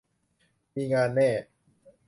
มีงานแน่